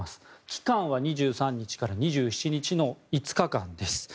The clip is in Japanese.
期間は２３日から２７日の５日間です。